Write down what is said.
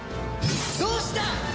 どうした？